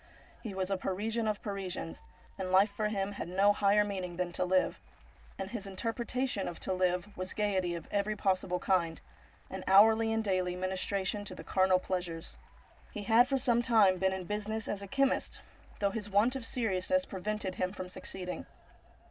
He was a Parisian of Parisians, and life for him had no higher meaning than to live ; and his interpre tation of ' to live ' was gaiety of every possible kind, and hourly and daily ministration to the carnal pleasures. He had for some time been in business as a chemist, though his want of seriousness prevented him from succeeding.